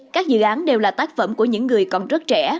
các dự án đều là tác phẩm của những người còn rất trẻ